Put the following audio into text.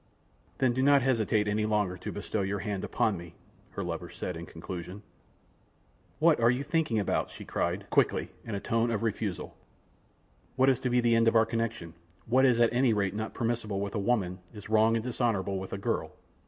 "Then do not hesitate any longer to bestow your hand upon me," her lover said, in conclusion. "What are you thinking about?" she cried, quickly, in a tone of refusal. "What is to be the end of our connection? What is at any rate not permissible with a woman, is wrong and dishonorable with a girl.